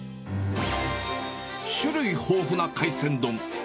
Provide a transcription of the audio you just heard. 種類豊富な海鮮丼。